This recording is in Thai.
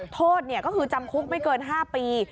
โทษก็คือจำคุกไม่เกิน๕ปี